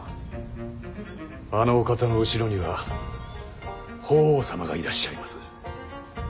あのお方の後ろには法皇様がいらっしゃいます。